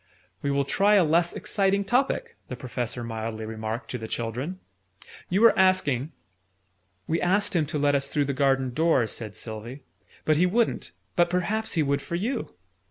"We will try a less exciting topic," the Professor mildly remarked to the children. "You were asking " "We asked him to let us through the garden door," said Sylvie: "but he wouldn't: but perhaps he would for you!"